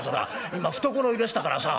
今懐入れてたからさ」。